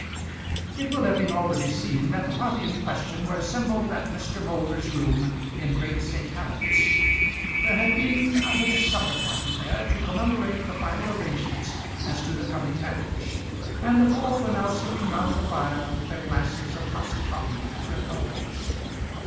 It will have been already seen that the party in question were assembled at Mr. Moulder's room in Great St. Helen's. There had been a little supper party there to commemorate the final arrangements as to the coming marriage, and the four were now sitting round the fire with their glasses of hot toddy at their elbows.